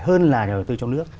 hơn là nhà đầu tư trong nước